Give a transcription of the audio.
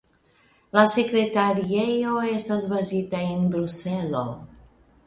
La sekretariejo estas bazita en Bruselo.